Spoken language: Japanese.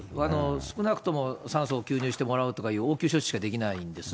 少なくとも酸素を吸入してもらうとかいう応急処置しかできないんです。